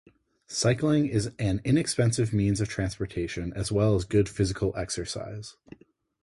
Cycling is an inexpensive means of transportation as well as good physical exercise.